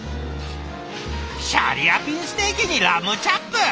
シャリアピンステーキにラムチャップ！